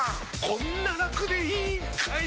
こんなラクでいいんかい！